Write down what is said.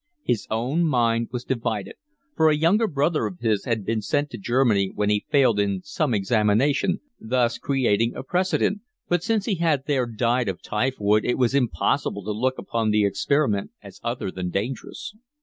His own mind was divided, for a younger brother of his had been sent to Germany when he failed in some examination, thus creating a precedent but since he had there died of typhoid it was impossible to look upon the experiment as other than dangerous.